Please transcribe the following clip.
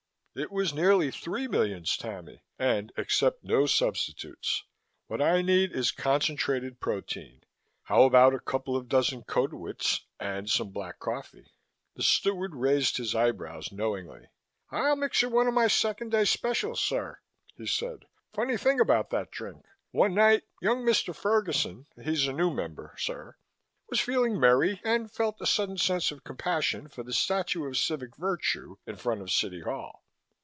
"It was nearly three millions, Tammy, and accept no substitutes. What I need is concentrated protein. How about a couple of dozen Cotuits and some black coffee?" The steward raised his eyebrows knowingly. "I'll mix you one of my Second Day Specials, sir," he said. "Funny thing about that drink. One night, young Mr. Ferguson he's a new member, sir was feeling merry and felt a sudden sense of compassion for the statue of Civic Virtue in front of the City Hall.